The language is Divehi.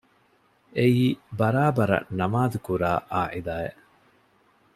އެއީ ބަރާބަރަށް ނަމާދުކުރާ ޢާއިލާއެއް